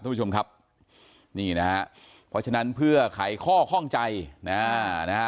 ทุกผู้ชมครับนี่นะฮะเพราะฉะนั้นเพื่อไขข้อข้องใจอ่านะฮะ